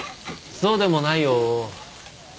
そうでもないよ。